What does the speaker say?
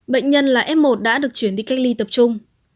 bệnh nhân là f một đã được chuyển đi cách ly tập trung